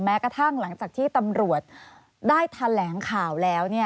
กระทั่งหลังจากที่ตำรวจได้แถลงข่าวแล้ว